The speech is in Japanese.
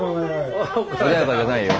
穏やかじゃないよ。